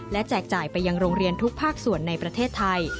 และแจกจ่ายไปยังโรงเรียนทุกภาคส่วนในประเทศไทย